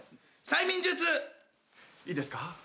「催眠術」いいですか。